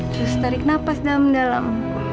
terus tarik nafas dalam dalam